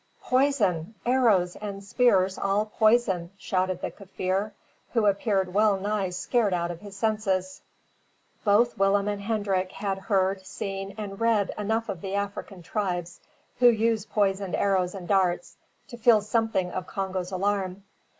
"Poison! arrows and spears all poison!" shouted the Kaffir, who appeared well nigh scared out of his senses. Both Willem and Hendrik had heard, seen, and read enough of the African tribes who use poisoned spears and darts, to feel something of Congo's alarm.